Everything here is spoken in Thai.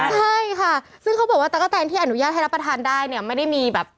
ใช่ค่ะซึ่งเขาบอกว่าตะกะแตนที่อนุญาตให้รับประทานได้เนี่ยไม่ได้มีแบบ